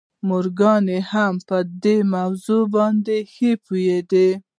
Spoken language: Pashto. مورګان هم پر دې موضوع باندې ښه پوهېده